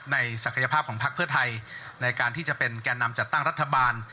ศักยภาพของพักเพื่อไทยในการที่จะเป็นแก่นำจัดตั้งรัฐบาล